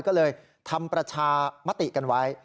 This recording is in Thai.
ก็เลยทำประชามติกันไว้